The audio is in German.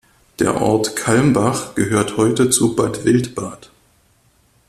Der Ort Calmbach gehört heute zu Bad Wildbad.